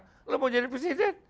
anda mau jadi presiden